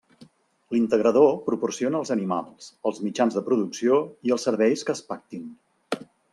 L'integrador proporciona els animals, els mitjans de producció i els serveis que es pactin.